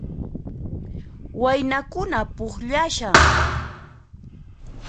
Waynakuna pukllashan